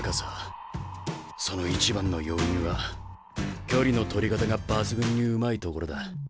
その一番の要因は距離の取り方が抜群にうまいところだ。